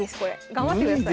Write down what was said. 頑張ってください。